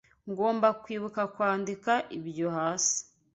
Ngomba kwibuka kwandika ibyo hasi.